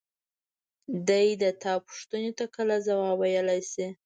دى د تا پوښتنو ته کله ځواب ويلاى شي.